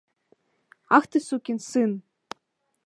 — Ах, ты сукин сын!